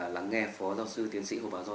lắng nghe phó giáo sư tiến sĩ hồ báo do